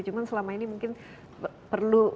cuma selama ini mungkin perlu